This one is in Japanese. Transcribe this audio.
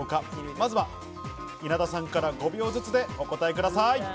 まずは稲田さんから５秒ずつでお答えください。